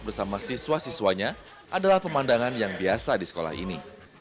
bersama siswa siswanya adalah pemandangan yang biasa di sekolah ini